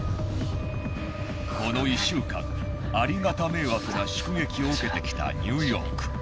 この１週間ありがた迷惑な祝撃を受けてきたニューヨーク。